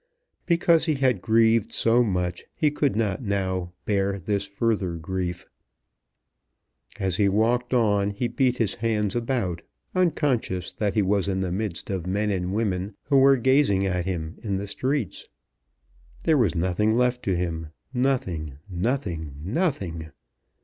Because he had grieved so much, he could not now bear this further grief. As he walked on he beat his hands about, unconscious that he was in the midst of men and women who were gazing at him in the streets. There was nothing left to him, nothing, nothing, nothing!